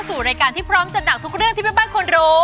สู่รายการที่พร้อมจัดหนักทุกเรื่องที่แม่บ้านควรรู้